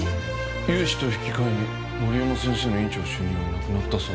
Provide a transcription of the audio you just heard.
融資と引き換えに森山先生の院長就任はなくなったそうです。